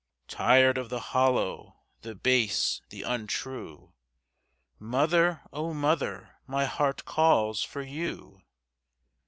Tired of the hollow, the base, the untrue, Mother, O mother, my heart calls for you!